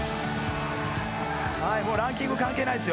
ランキング関係ないですよ。